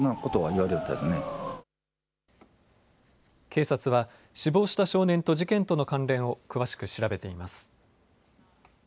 警察は死亡した少年と事件との関連を詳しく調べています。